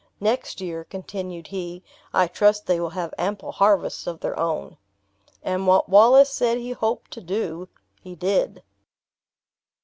"Next year," continued he, "I trust they will have ample harvests of their own." And what Wallace said he hoped to do, he did.